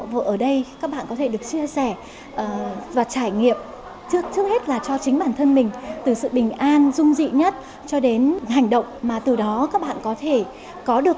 vợ ở đây các bạn có thể được chia sẻ và trải nghiệm trước hết là cho chính bản thân mình từ sự bình an dung dị nhất cho đến hành động mà từ đó các bạn có thể có được